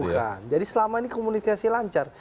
bukan jadi selama ini komunikasi lancar